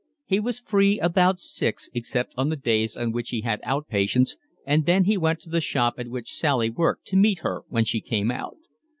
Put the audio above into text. He was free about six, except on the days on which he had out patients, and then he went to the shop at which Sally worked to meet her when she came out.